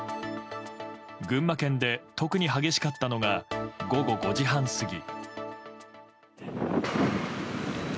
群馬県で特に激しかったのが午後５時半過ぎ。